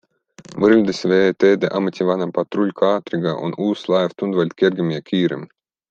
Võrreldes veeteede ameti vana patrullkaatriga on uus laev tunduvalt kergem ja kiirem.